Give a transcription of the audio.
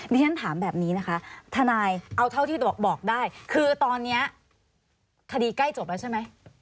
ที่ฉันถามแบบนี้นะคะทนายเอาเท่าที่บอกได้คือตอนนี้คดีใกล้จบแล้วใช่ไหม